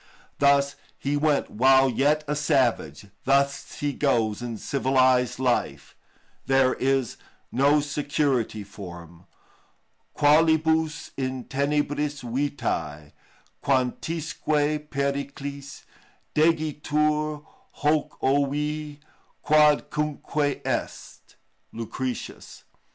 Thus he went while yet a savage, thus he goes in civilised life; there is no security for him. "Qualibus in tenebris vitæ, quantisque periclis Degitur hocc' ævi, quodcunque est!"—LUCR. ii. 15.